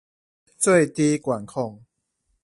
最低管控